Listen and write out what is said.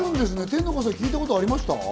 天の声さん、聞いたことありました？